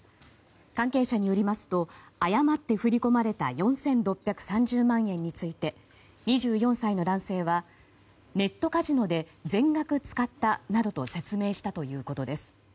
関係者によりますと誤って振り込まれた４６３０万円について２４歳の男性はネットカジノで全額使ったなどと説明したということです。